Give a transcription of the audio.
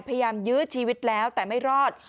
พยายามยืดชีวิตแล้วแต่ไม่รอด